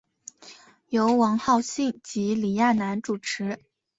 由王浩信及李亚男主持。